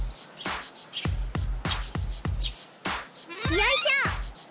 よいしょ！